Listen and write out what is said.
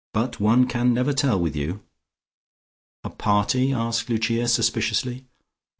But one can never tell with you." "A party?" asked Lucia suspiciously.